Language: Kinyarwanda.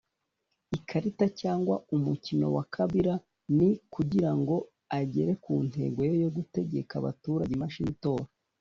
Ikarita cyangwa umukino wa Kabila ni kugira ngo agere ku ntego ye yo gutegeka abaturage imashini itora